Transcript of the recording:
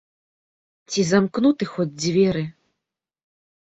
Ці замкнуты хоць дзверы?